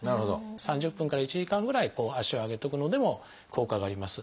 ３０分から１時間ぐらい足を上げておくのでも効果があります。